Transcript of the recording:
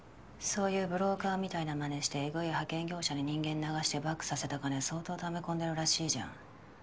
そういうブローカーみたいなまねしてエグい派遣業者に人間流してバックさせた金相当ため込んでるらしいじゃん。